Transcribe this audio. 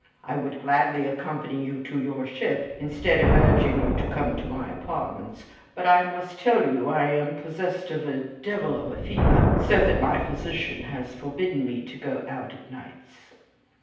I would gladly accompany you to your ship instead of urging you to come to my apartments, but I must tell you I am possessed of a devil of a fever, so that my physician hath forbidden me to be out of nights."